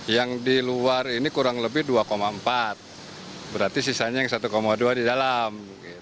yang di luar ini kurang lebih dua empat berarti sisanya yang satu dua di dalam